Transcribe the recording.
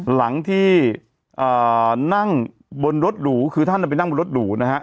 หลังที่นั่งบนรถหรูคือท่านไปนั่งบนรถหรูนะฮะ